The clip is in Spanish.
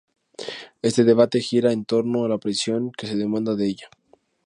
Este debate gira en torno a la precisión que se demanda de ella.